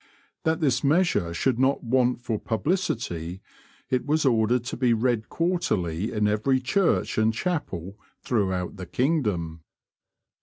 That this measure should not want for publicity, it was ordered to be read quarterly in every church and chapel throughout the kingdom.